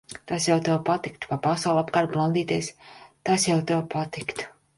Tas jau tev patiktu. Pa pasauli apkārt blandīties, tas jau tev patiktu.